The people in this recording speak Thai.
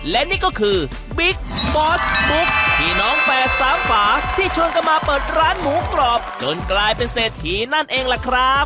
และนี่ก็คือบิ๊กบอสบุ๊กพี่น้องแฝดสามฝาที่ชวนกันมาเปิดร้านหมูกรอบจนกลายเป็นเศรษฐีนั่นเองล่ะครับ